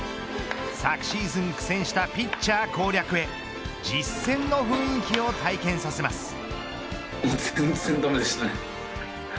昨シーズン苦戦したピッチャー攻略へ実戦の雰囲気を体験させます。